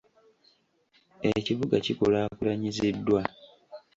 Ekibuga kikulaakulanyiziddwa.